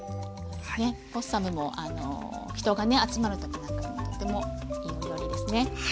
ポッサムも人がね集まる時なんかにもとてもいいお料理ですね。